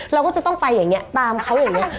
เราก็จะต้องไปอย่างนี้ตามเขาอย่างนี้